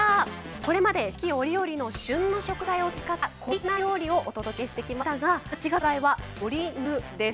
これまで四季折々の旬の食材を使った小粋な料理をお届けしてきましたが８月の食材は「鶏肉」です。